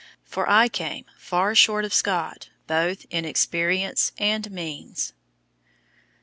For I came far short of Scott both in experience and means.